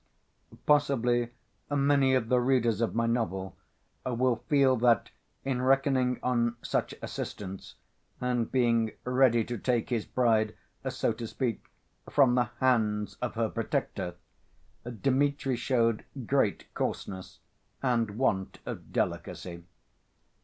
Possibly many of the readers of my novel will feel that in reckoning on such assistance, and being ready to take his bride, so to speak, from the hands of her protector, Dmitri showed great coarseness and want of delicacy.